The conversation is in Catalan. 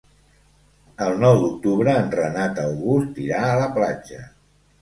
El nou d'octubre en Renat August irà a la platja.